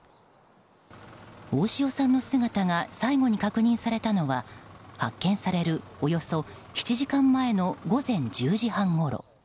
大塩さんの姿が最後に確認されたのは発見されるおよそ７時間前の午前１０時半ごろ。